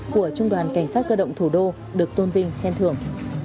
của trung đoàn cảnh sát cơ động thủ đô được tôn vinh khen thưởng